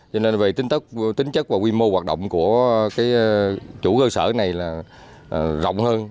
cho nên về tính chất và quy mô hoạt động của chủ cơ sở này là rộng hơn